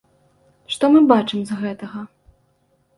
Што мы бачым з гэтага?